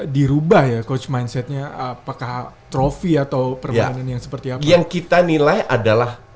dirubah ya coach mindsetnya apakah trofi atau permainan yang seperti apa yang kita nilai adalah